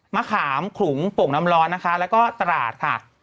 มะขามขลุงโป่งน้ำร้อนนะคะแล้วก็ตราดค่ะ